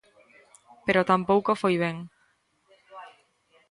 Pero tampouco foi ben.